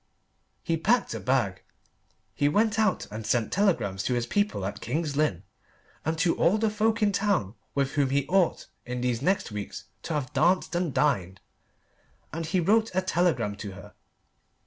He packed a bag. He went out and sent telegrams to his people at King's Lynn, and to all the folk in town with whom he ought in these next weeks to have danced and dined, and he wrote a telegram to her.